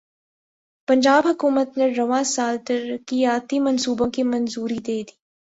پنجاب حکومت نے رواں سال ترقیاتی منصوبوں کی منظوری دیدی